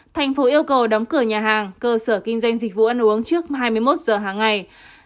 thành phố yêu cầu đóng cửa nhà hàng cơ sở kinh doanh dịch vụ ăn uống trước hai mươi một giờ hàng ngày